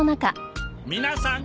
皆さん